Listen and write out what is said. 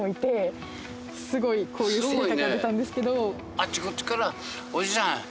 あっちこちから「おじさん」。